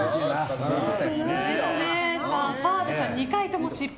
澤部さん、２回とも失敗。